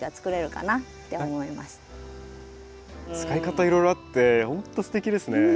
使い方いろいろあってほんとすてきですね。